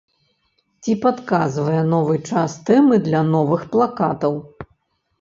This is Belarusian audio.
Ці падказвае новы час тэмы для новых плакатаў?